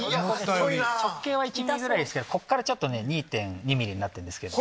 直径は１ｍｍぐらいですけどここからちょっとね２．２ｍｍになってるんですけど。